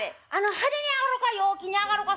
「派手に上がろか陽気に上がろか